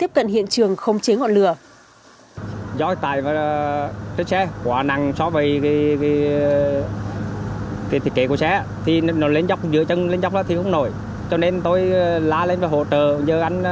phát hiện trước khi lực lượng chức năng tiếp cận